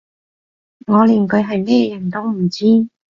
我連佢係咩人都唔知